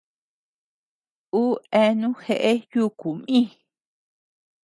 Uu eani jeʼe yuku mï.